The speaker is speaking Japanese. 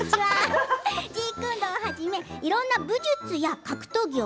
ジークンドーをはじめいろんな武術や格闘技を